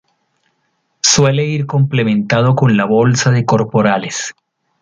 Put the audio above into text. Suele ir complementado con la bolsa de corporales.